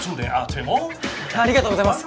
ありがとうございます。